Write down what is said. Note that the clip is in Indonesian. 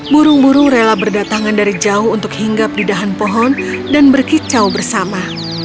burung burung rela berdatangan dari jauh untuk hingga pedahan pohon dan berkicau bersama